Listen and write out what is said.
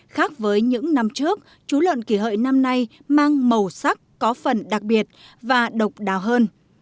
khác với những năm trước chú lợn kỷ hợi năm nay mang màu sắc có phần đặc biệt và độc đáo hơn